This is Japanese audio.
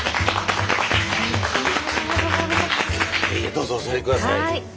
どうぞお座り下さい。